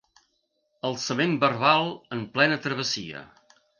Alçament verbal en plena travessia.